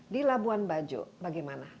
di labuan bajo bagaimana